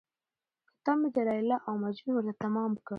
كتاب مې د ليلا او د مـجنون ورته تمام كړ.